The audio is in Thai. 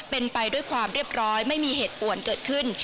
เป็นไปด้วยความเรียบร้อยไม่มีเหตุป่วนเกิดขึ้น